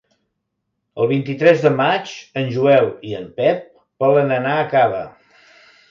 El vint-i-tres de maig en Joel i en Pep volen anar a Cava.